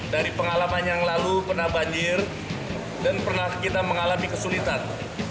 dari pengalaman yang lalu pernah banjir dan pernah kita mengalami kesulitan